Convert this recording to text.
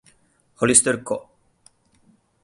Hollister Co.